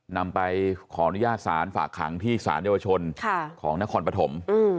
นำไปขออนุญาตศาลฝากขังที่สารเยาวชนของนครปฐม